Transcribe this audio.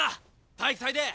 体育祭で。